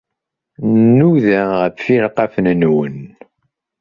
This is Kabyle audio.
Nnuda ɣef ileqqafen-nwen.